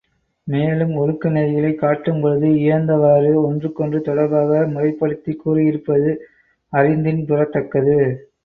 மேலும், ஒழுக்க நெறிகளைக் காட்டும்பொழுதும் இயைந்தவாறு, ஒன்றுக்கொன்று தொடர்பாக முறைப் படுத்திக் கூறியிருப்பது அறிந்தின்புறத்தக்கது.